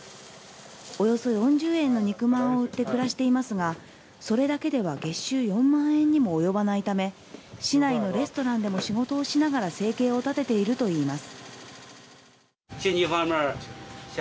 およそ４０円の肉まんを売って暮らしていますが、それだけでは月収４万円にも及ばないため、市内のレストランでも仕事をしながら生計を立てているといいます。